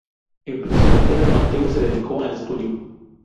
En prisión, Pedro Mateu se dedicó al estudio.